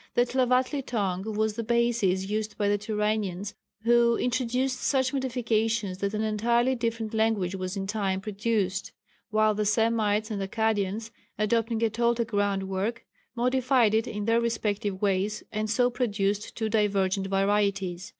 The Tlavatli tongue was the basis used by the Turanians, who introduced such modifications that an entirely different language was in time produced; while the Semites and Akkadians, adopting a Toltec ground work, modified it in their respective ways, and so produced two divergent varieties.